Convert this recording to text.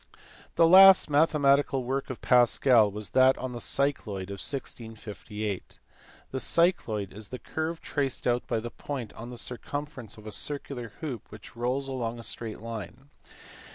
The last mathematical work of Pascal was that on the cycloid in 1658. The cycloid is the curve traced out by a point on the circumference of a circular hoop which rolls along a straight line.